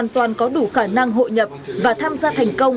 toàn có đủ khả năng hội nhập và tham gia thành công